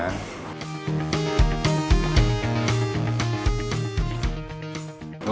ชิมก่อนนะ